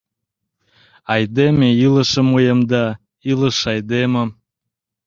— Айдеме илышым уэмда, илыш — айдемым.